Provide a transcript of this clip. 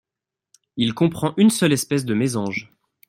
Il comprend une seule espèce de mésanges.